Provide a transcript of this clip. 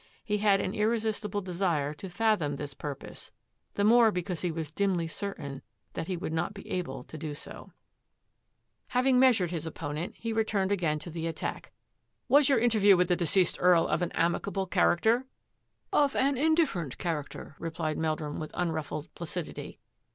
He had an irresistible desire to fathom this purpose, the more because he was dimly certain that he would not be able to do so. 196 THAT AFFAIR AT THE MANOR Having measured his opponent, he returned again to the attack. " Was your interview with the deceased Earl of an amicable character? "" Of an indifferent character," replied Meldrum with unruffled placidify.